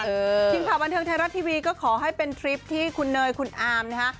ทีมข่าวบันเทิงไทยรัฐทีวีก็ขอให้เป็นทริปที่คุณเนยคุณอามนะฮะ